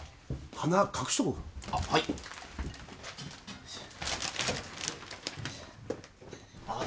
花隠しとこうかあっはいああ